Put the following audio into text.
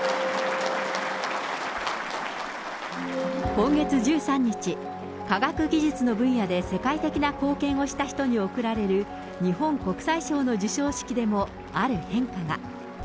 今月１３日、科学技術の分野で世界的な貢献をした人に贈られる、日本国際賞の授賞式でもある変化が。